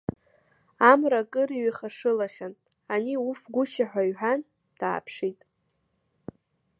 Амра акыр иҩхашылахьан, ани уф гәышьа иҳәан дааԥшит.